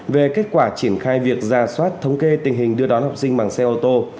về kết quả triển khai việc ra soát thống kê tình hình đưa đón học sinh bằng xe ô tô